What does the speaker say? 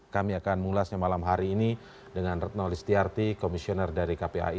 kami akan mulasnya malam hari ini dengan retno listiarti komisioner dari kpai